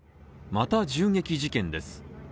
また銃撃事件です。